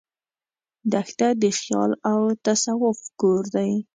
دښته د خیال او تصوف کور دی.